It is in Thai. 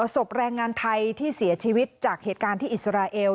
ศพแรงงานไทยที่เสียชีวิตจากเหตุการณ์ที่อิสราเอล